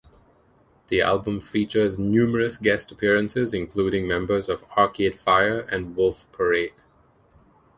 The album features numerous guest appearances, including members of Arcade Fire and Wolf Parade.